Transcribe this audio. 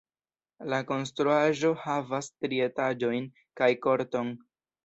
La konstruaĵo havas tri etaĝojn kaj korton.